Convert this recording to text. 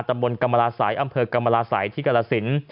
ตำบลกรรมราศัยอำเภอกรรมราศัยที่กรสิน